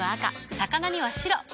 魚には白。